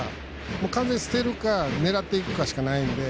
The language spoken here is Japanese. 完全に捨てるか狙っていくかしかないので。